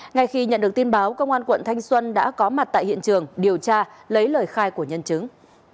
ngay khi nhận được tin báo công an quận thanh xuân đã có mặt tại hiện trường điều tra lấy lời khai của nhân chứng